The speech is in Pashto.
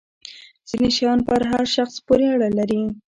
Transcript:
ځینې شیان پر هر شخص پورې اړه لري.